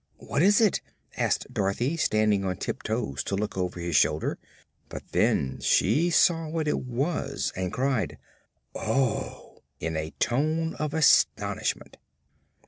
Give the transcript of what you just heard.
"What is it?" asked Dorothy, standing on tip toes to look over his shoulder. But then she saw what it was and cried "Oh!" in a tone of astonishment.